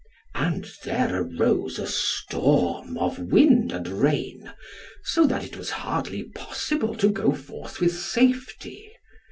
And there arose a storm of wind and rain, so that it was hardly possible to go forth with safety.